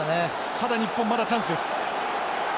ただ日本まだチャンスです。